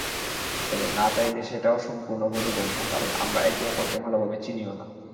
তবে না চাইলে সেটাও সম্পূর্ণ বোধগম্য, কারণ আমরা একে-অপরকে ভালোভাবে চিনিও না।